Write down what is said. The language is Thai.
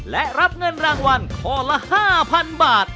และรับเงินรางวัลข้อละ๕๐๐๐บาท